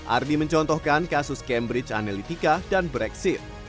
ardi mencontohkan kasus cambridge analytica dan brexit